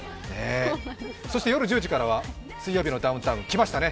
そして夜１０時からは「水曜日のダウンタウン」、きましたね。